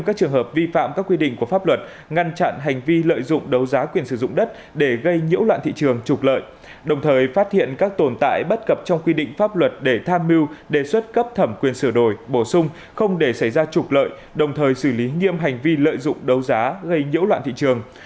các trường hợp vi phạm các quy định của pháp luật ngăn chặn hành vi lợi dụng đấu giá quyền sử dụng đất để gây nhiễu loạn thị trường trục lợi đồng thời phát hiện các tồn tại bất cập trong quy định pháp luật để tham mưu đề xuất cấp thẩm quyền sửa đổi bổ sung không để xảy ra trục lợi đồng thời xử lý nghiêm hành vi lợi dụng đấu giá gây nhiễu loạn thị trường